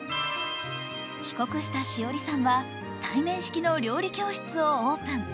帰国したＳＨＩＯＲＩさんは対面式の料理教室をオープン。